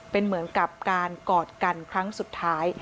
เป็นเหมือนกับการกอดกันครั้งสุดท้าย